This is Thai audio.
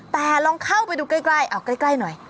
แต่ลองเข้าไปดูใกล้เอาใกล้หน่อย